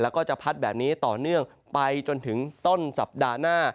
แล้วก็จะพัดแบบนี้ต่อเนื่องไปจนถึงต้นสัปดาห์หน้า